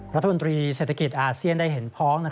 รัฐมนตรีเศรษฐกิจอาเซียนได้เห็นพ้อง